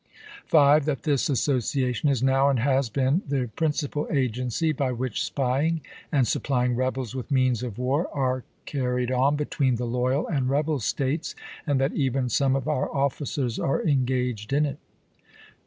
" 5. That this association is now, and has been, the principal agency by which spying and supplying rebels with means of war are carried on between the loyal and rebel States, and that even some of our officers are engaged in it.